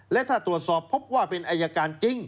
และถ้าตรวจสอบพบว่าเป็นอายการจริง